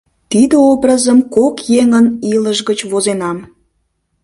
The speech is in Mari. Тиде образым кок еҥын илыш гыч возенам.